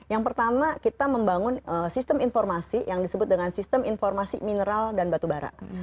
yang pertama kita membangun sistem informasi yang disebut dengan sistem informasi mineral dan batu bara